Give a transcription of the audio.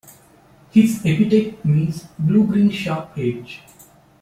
His epithet means "blue-green sharp edge".